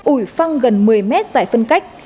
ủi phăng gần một mươi m dài phân cách